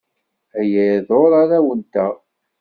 Aya iḍurr arraw-nteɣ.